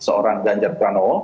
seorang ganjar pranowo